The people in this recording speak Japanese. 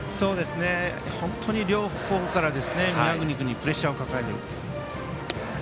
本当に両方から宮國君にプレッシャーがかかると。